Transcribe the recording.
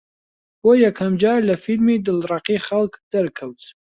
بۆ یەکەم جار لە فیلمی «دڵڕەقی خەڵک» دەرکەوت